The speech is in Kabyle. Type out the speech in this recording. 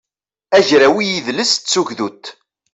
agraw i yidles d tugdut